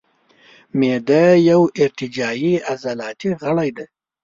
معده یو ارتجاعي عضلاتي غړی دی.